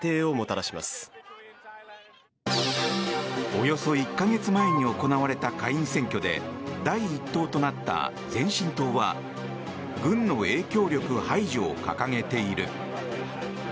およそ１か月前に行われた下院選挙で第１党となった前進党は軍の影響力排除を掲げている。